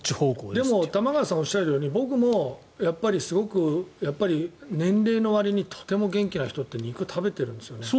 でも玉川さんがおっしゃるように僕もすごく年齢のわりにとても元気な人って肉を食べているんですよね。